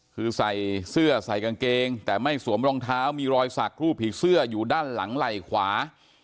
คือใส่เสื้อใส่กางเกงแต่ไม่สวมรองเท้ามีรอยสักรูปผีเสื้ออยู่ด้านหลังไหล่ขวา